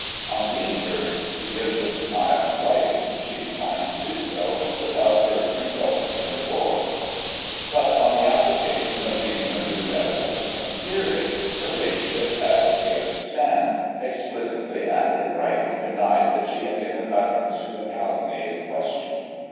On being urged to give this denial in writing, she declined to do so without first consulting her lord. But, on the application being re newed at a subsequent period, her ladyship, as we understand, explicitly, and in writing, denied that she had given utterance Digiti ized by Google i839] THE QUEEN HISSED AT. 97 to the calumny in question.